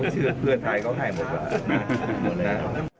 เชื่อเพื่อไทยเขาให้หมดแล้ว